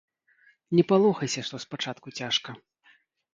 Не палохайся, што спачатку цяжка.